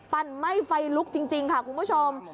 ไหม้ไฟลุกจริงค่ะคุณผู้ชม